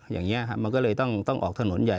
อย่างนี้มันก็เลยต้องออกถนนใหญ่